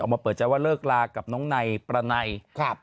มาเปิดใจว่าเลิกลากับน้องนายประไนครับ